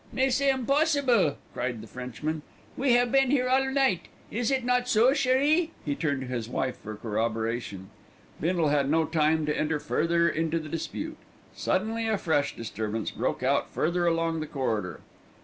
"Mais c'est impossible," cried the Frenchman. "We have been here all night. Is it not so, cherie?" He turned to his wife for corroboration. Bindle had no time to enter further into the dispute. Suddenly a fresh disturbance broke out further along the corridor.